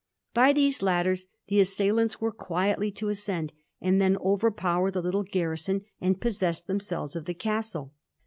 By these ladders the assailants were quietly to ascend, and then over power the little garrison, and possess themselves of the Castle.